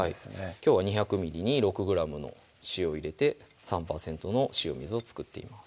きょうは２００ｍｌに６ｇの塩を入れて３％の塩水を作っています